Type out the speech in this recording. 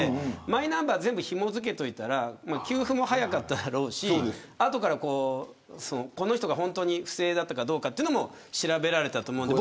マイナンバー全部ひも付けておいたら給付も早かっただろうし後から、この人が本当に不正だったかどうかも調べられたと思います。